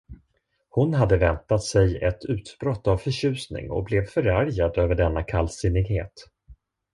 Hon hade väntat sig ett utbrott av förtjusning och blev förargad över denna kallsinnighet.